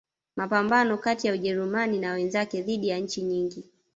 Mapambano kati ya Ujerumani na wenzake dhidi ya nchi nyingi